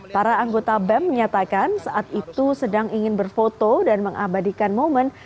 para anggota bem menyatakan saat itu sedang ingin berfoto dan mengabadikan momen